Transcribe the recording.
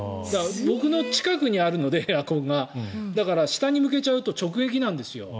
僕の近くにエアコンがあるのでだから、下に向けちゃうと直撃なんですよ。